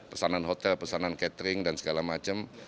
pesanan hotel pesanan catering dan segala macam